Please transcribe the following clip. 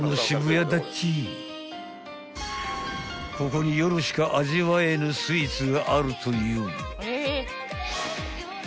［ここに夜しか味わえぬスイーツがあるという］